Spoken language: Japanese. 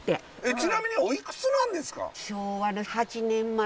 ちなみにおいくつなんですか？